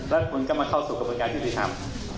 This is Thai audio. แล้วคุณก็มาเข้าสู่กระบวนการยุติธรรม